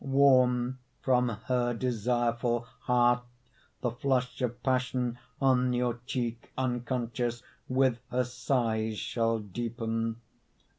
Warm from her desireful Heart the flush of passion On your cheek unconscious, With her sighs shall deepen.